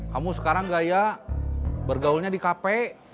kamu sekarang gaya bergaulnya di kp